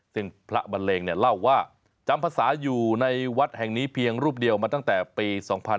ซึ่งพระบันเลงเนี่ยเล่าว่าจำภาษาอยู่ในวัดแห่งนี้เพียงรูปเดียวมาตั้งแต่ปี๒๕๕๙